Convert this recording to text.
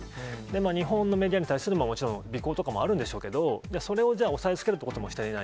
日本のメディアに対するもちろん、尾行とかもあるんでしょうけど、それをじゃあ、押さえつけるということもしていない。